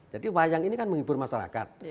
jadi wayang ini kan menghibur masyarakat